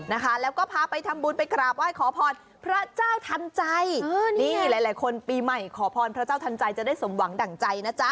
นะคะแล้วก็พาไปทำบุญไปกราบไหว้ขอพรพระเจ้าทันใจนี่หลายหลายคนปีใหม่ขอพรพระเจ้าทันใจจะได้สมหวังดั่งใจนะจ๊ะ